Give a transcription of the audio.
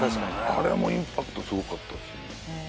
あれもインパクトすごかったですね。